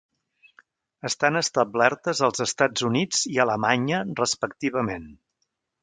Estan establertes als Estats Units i Alemanya respectivament.